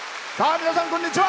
皆さん、こんにちは！